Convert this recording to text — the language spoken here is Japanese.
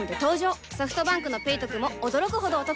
ソフトバンクの「ペイトク」も驚くほどおトク